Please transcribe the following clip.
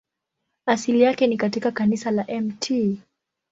Asili yake ni katika kanisa la Mt.